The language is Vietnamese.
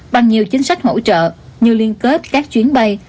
bằng nhiều chính sách hỗ trợ như liên kết các chuyến bay